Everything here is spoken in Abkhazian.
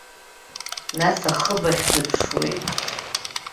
Нас ахыб ахь дыԥшуеит.